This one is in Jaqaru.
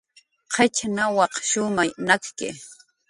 Qit nawaq shumay nakki